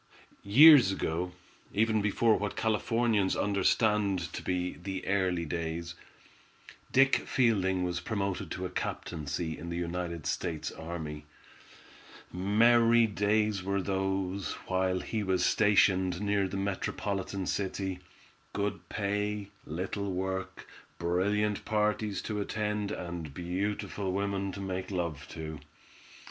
Years ago, even before what Californians understand to be the "early days," Dick Fielding was promoted to a captaincy in the United States Army. Merry days were those, while he was stationed near the metropolitan city. Good pay, little work, brilliant parties to attend, and beautiful women to make love to.